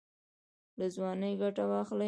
له ځوانۍ ګټه واخلئ